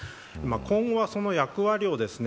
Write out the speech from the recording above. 今後はその役割をですね